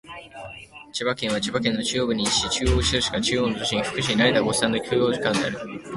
千葉市は千葉県の中央部に位置し、中心市街地は東京都の都心と成田国際空港の中間地点である。